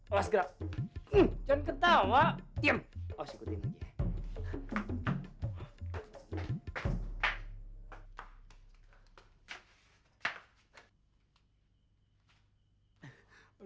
awas gerak jangan ketawa